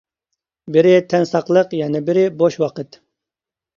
بىرى، تەن ساقلىق يەنە بىرى بوش ۋاقىت.